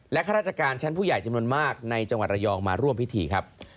ข้าราชการชั้นผู้ใหญ่จำนวนมากในจังหวัดระยองมาร่วมพิธีครับ